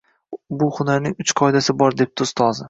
Bu hunarning uchta qoidasi bor,-debdi ustozi.